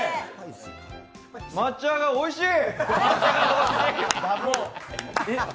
抹茶がおいしい！